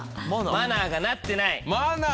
「マナーがなってない」